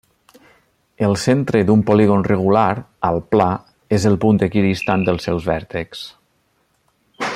El centre d'un polígon regular al pla és el punt equidistant dels seus vèrtexs.